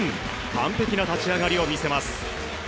完璧な立ち上がりを見せます。